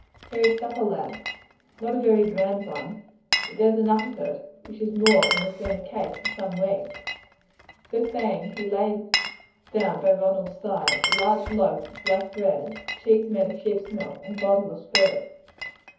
"Here is supper, lad. Not a very grand one, but there's enough of it, which is more than has been the case for some weeks." So saying he laid down by Ronald's side a large loaf of black bread, a cheese made of sheep's milk, and a bottle of spirits.